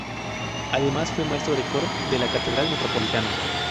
Además fue Maestro de Coro de la Catedral Metropolitana.